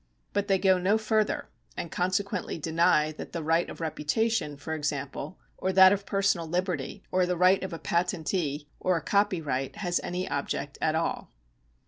But they go no further, and consequently deny that the right of reputation, for example, or that of personal liberty, or the right of a patentee, or a copyright, has any object at all.